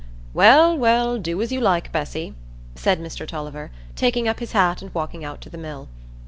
"Well, well, do as you like, Bessy," said Mr Tulliver, taking up his hat and walking out to the mill.